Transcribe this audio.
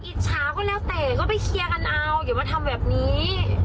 อิจฉาก็แล้วแต่ก็ไปเคลียร์กันเอาอย่ามาทำแบบนี้